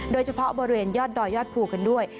โดยเฉพาะบริเวณยอดดอยยอดภูกันด้วย